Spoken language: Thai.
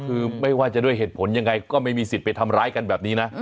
คือไม่ว่าจะด้วยเหตุผลยังไงก็ไม่มีสิทธิ์ไปทำร้ายกันแบบนี้นะ